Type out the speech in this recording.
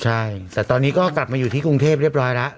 ใช่แต่ตอนนี้ก็กลับมาอยู่ที่กรุงเทพเรียบร้อยแล้ว